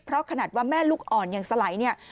เพราะขนาดว่าแม่ลูกอ่อนอย่างสลัย